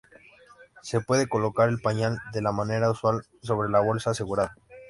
Se puede colocar el pañal de la manera usual sobre la bolsa asegurada.